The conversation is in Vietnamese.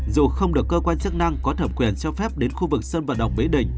dù không được cơ quan chức năng có thẩm quyền cho phép đến khu vực sân vận động mỹ đình